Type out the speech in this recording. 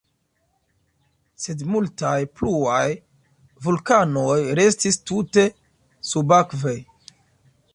Sed multaj pluaj vulkanoj restis tute subakve.